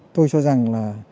tôi cho rằng là